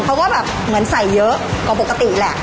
เพราะว่าแบบเหมือนใส่เยอะกว่าปกติแหละ